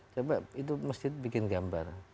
coba itu masjid bikin gambar